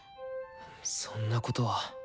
そんなことは。